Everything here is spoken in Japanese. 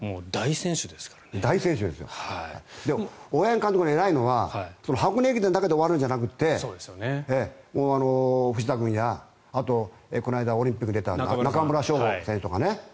大八木監督が偉いのは箱根駅伝だけで終わるんじゃなくて藤田君やこの間、オリンピックに出た中村匠吾選手とかね。